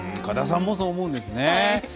岡田さんもそう思うんですね。